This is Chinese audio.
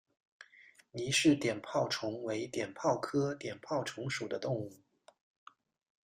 倪氏碘泡虫为碘泡科碘泡虫属的动物。